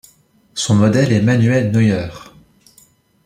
Son modèle est Manuel Neuer.